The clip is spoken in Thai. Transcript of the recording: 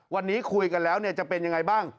วันนี้คุยกันแล้วจะเป็นยังไงบ้าง